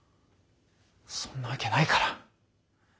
そんなわけないから。